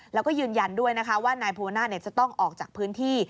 แล้วก็ยืนยันด้วยนะคะว่านายภูน่าจะต้องออกจากพื้นที่